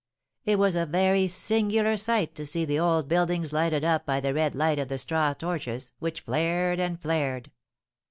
It was a very singular sight to see the old buildings lighted up by the red light of the straw torches, which flared and flared.